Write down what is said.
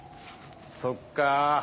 そっか。